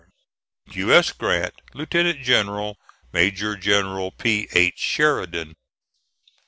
"U. S. GRANT, Lieutenant General. "MAJOR GENERAL P. H. SHERIDAN."